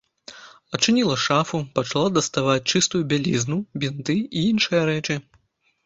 Адчыніла шафу, пачала даставаць чыстую бялізну, бінты і іншыя рэчы.